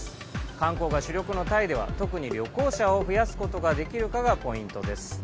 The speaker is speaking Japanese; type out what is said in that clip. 観光が主力のタイでは特に旅行者を増やすことができるかがポイントです。